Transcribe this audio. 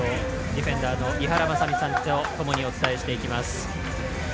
ディフェンダーの井原正巳さんとともにお伝えしていきます。